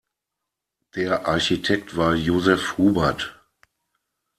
Der Architekt war Josef Hubert.